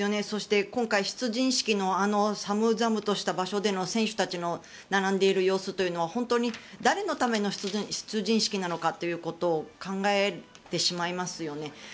そして、今回出陣式のあの寒々とした場所での選手たちの並んでいる様子というのは本当に誰のための出陣式なのかということを考えてしまいますよね。